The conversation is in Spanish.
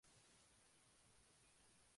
Se dirigió a los baños.